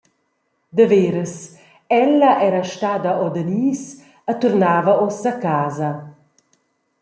Daveras: ella era stada o Danis e turnava ussa a casa.